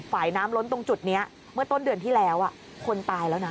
ฝ่ายน้ำล้นตรงจุดนี้เมื่อต้นเดือนที่แล้วคนตายแล้วนะ